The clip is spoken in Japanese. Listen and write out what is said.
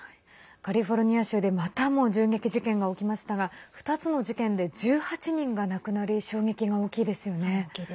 カリフォルニア州でまたも銃撃事件が起きましたが２つの事件で１８人が亡くなり衝撃が大きいですよね。